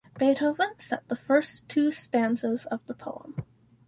Beethoven set the first two stanzas of the poem.